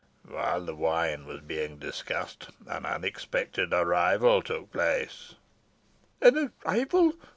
While the wine was being discussed, an unexpected arrival took place." "An arrival!